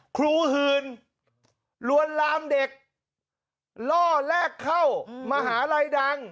หื่นลวนลามเด็กล่อแลกเข้ามหาลัยดัง